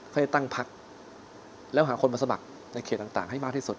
ให้ตั้งพักแล้วหาคนมาสมัครในเขตต่างให้มากที่สุด